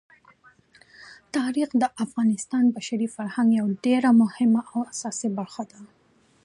تاریخ د افغانستان د بشري فرهنګ یوه ډېره مهمه او اساسي برخه ده.